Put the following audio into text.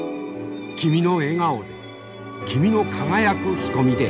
君の笑顔で君の輝く瞳で。